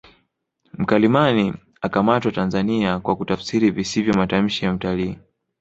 Mkalimani akamatwa Tanzania kwa kutafsiri visivyo matamshi ya mtalii